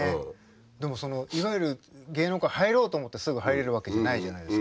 でもいわゆる芸能界入ろうと思ってすぐ入れるわけじゃないじゃないですか。